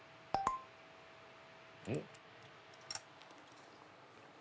うん？